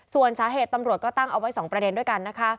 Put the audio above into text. ส่วนสาเหตุตำรวจก็ตั้งเอาไว้๒ประเด็นด้วยกันนะคะ